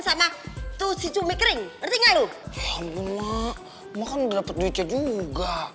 sama tuh si cumi kering ngerti ngaluh ambo maaf makan dapat duitnya juga